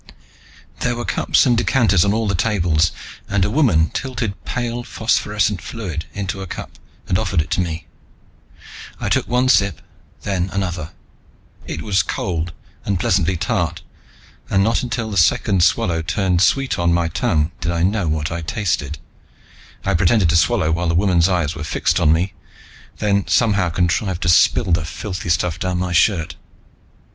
There were cups and decanters on all the tables, and a woman tilted pale, phosphorescent fluid into a cup and offered it to me. I took one sip, then another. It was cold and pleasantly tart, and not until the second swallow turned sweet on my tongue did I know what I tasted. I pretended to swallow while the woman's eyes were fixed on me, then somehow contrived to spill the filthy stuff down my shirt.